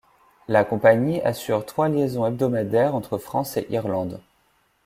La compagnie assure trois liaisons hebdomadaires entre France et Irlande.